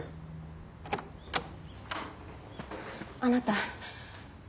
あなた。